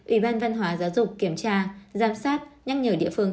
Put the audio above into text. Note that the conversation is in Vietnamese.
ủy ban văn hóa giáo dục kiểm tra giám sát nhắc nhở địa phương